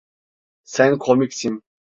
Sen komiksin.